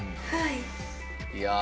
はい。